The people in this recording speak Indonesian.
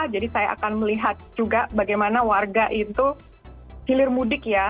jadi saya akan melihat juga bagaimana warga itu hilir mudik ya